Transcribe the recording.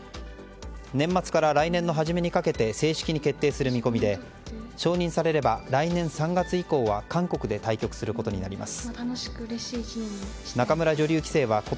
年末から来年の初めにかけて正式に決定する見込みで承認されれば、来年３月以降は韓国で対局することになります。